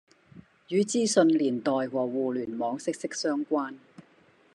與資訊年代和互聯網息息相關